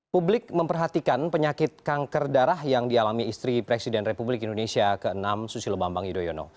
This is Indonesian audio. publik memperhatikan penyakit kanker darah yang dialami istri presiden republik indonesia ke enam susilo bambang yudhoyono